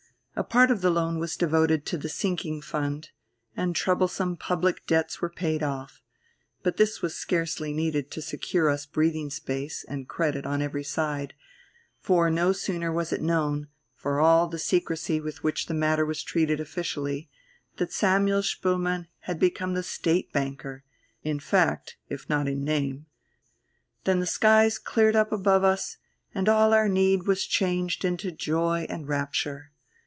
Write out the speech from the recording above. A part of the loan was devoted to the sinking fund, and troublesome public debts were paid off. But this was scarcely needed to secure us breathing space and credit on every side; for no sooner was it known, for all the secrecy with which the matter was treated officially, that Samuel Spoelmann had become the State banker, in fact if not in name, than the skies cleared up above us and all our need was changed into joy and rapture.